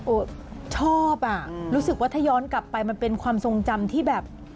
ชอบอ่ะรู้สึกว่าถ้าย้อนกลับไปมันเป็นความทรงจำที่แบบ